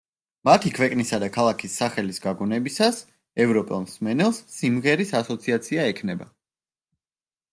მათი ქვეყნისა და ქალაქის სახელის გაგონებისას, ევროპელ მსმენელს სიმღერის ასოციაცია ექნება.